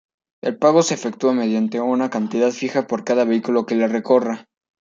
El pago se efectúa mediante una cantidad fija por cada vehículo que la recorra.